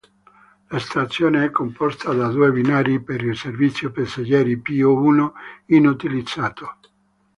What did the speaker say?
La stazione è composta da due binari per il servizio passeggeri, più uno inutilizzato.